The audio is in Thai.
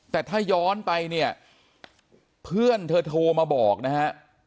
แต่ถ้าย้อนไปเนี่ยเพื่อนเธอโทรมาบอกนะฮะ